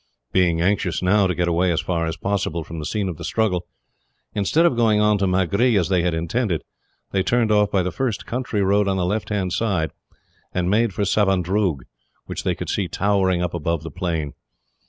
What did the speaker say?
Being anxious, now, to get away as far as possible from the scene of the struggle, instead of going on to Magree as they had intended, they turned off by the first country road on the left hand side, and made for Savandroog, which they could see towering up above the plain.